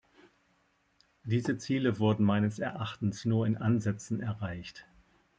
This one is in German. Diese Ziele wurden meines Erachtens nur in Ansätzen erreicht.